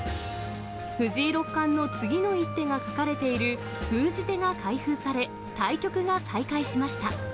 藤井六冠の次の一手が書かれている封じ手が開封され、対局が再開しました。